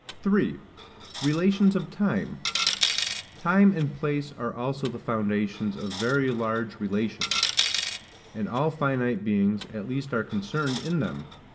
3. Relations of Time. Time and place are also the foundations of very large relations; and all finite beings at least are concerned in them.